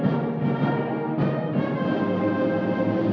lagu kebangsaan indonesia raya